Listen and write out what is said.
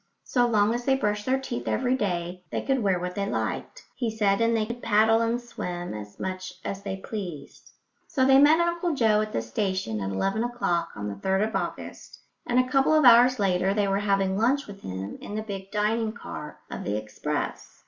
So long as they brushed their teeth every day they could wear what they liked, he said, and they could paddle and swim as much as they pleased. So they met Uncle Joe at the station at eleven o'clock on the 3rd of August, and a couple of hours later they were having lunch with him in the big dining car of the express.